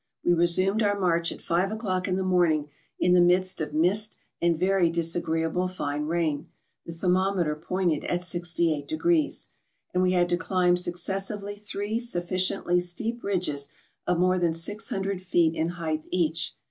We resumed our march at five o'clock in the morning in the midst of mist and very disagreeable fine rain. The ther¬ mometer pointed at 68°. And we had to climb suc¬ cessively three sufficiently steep ridges of more than 600 feet in height each.